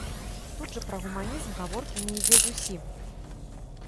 Тут жа пра гуманізм гаворкі не ідзе зусім.